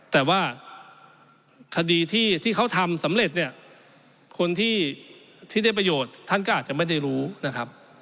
แต่ว่าคดีที่เขาทำสำเร็จเนี่ยคนที่ได้ประโยชน์ท่านก็อาจจะไม่ได้รู้นะครับ